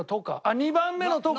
２番目の「と」か。